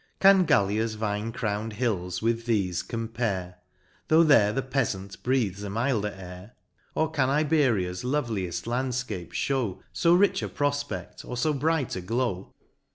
Can Gallia's vine crown'd hills with thefe compare ? Tho' there the peafant breathes a milder air ; Or can Iberia's lovelieft landfcapes ihow. So rich a profped, or fo bright a glow